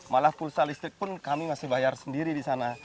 malah pulsa listrik pun kami masih bayar sendiri di sana